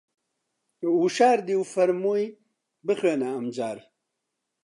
وشاردی و فەرمووی: بخوێنە ئەمجار